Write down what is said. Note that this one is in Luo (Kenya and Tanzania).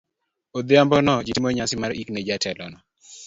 Odhiambono, ji ne otimo nyasi mar yik ne jatelono.